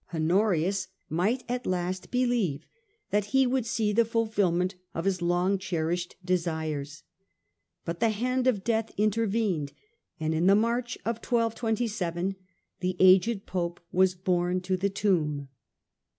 Honorius might at last believe that he would see the fulfilment of his long cherished desires. But the hand of death intervened, and in the March of 1227 the aged Pope was borne to the tomb.